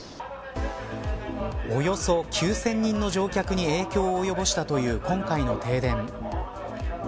およそ９０００人の乗客に影響を及ぼしたという今回の停電。